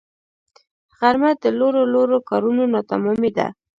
غرمه د لوړو لوړو کارونو ناتمامی ده